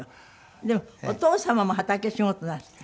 でもお父様も畑仕事なすっている。